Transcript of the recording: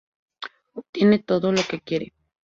Obtiene todo lo que quiere.